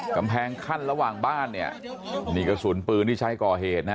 กำแพงขั้นระหว่างบ้านเนี่ยนี่กระสุนปืนที่ใช้ก่อเหตุนะ